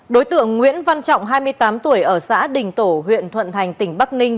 đối tượng nguyễn văn trọng hai mươi tám tuổi ở xã đình tổ huyện thuận thành tỉnh bắc ninh